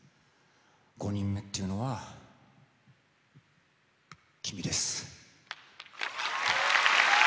５人目っていうのは君です。